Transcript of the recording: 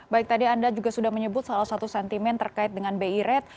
baik tadi anda juga sudah menyebut salah satu sentimen terkait dengan bi rate